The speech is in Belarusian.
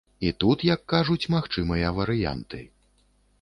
І тут, як кажуць, магчымыя варыянты.